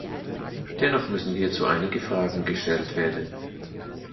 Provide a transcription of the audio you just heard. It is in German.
Dennoch müssen hierzu einige Fragen gestellt werden.